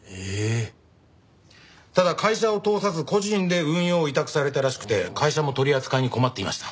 ただ会社を通さず個人で運用を委託されたらしくて会社も取り扱いに困っていました。